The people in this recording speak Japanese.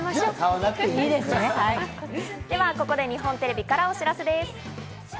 では、ここで日本テレビからお知らせです。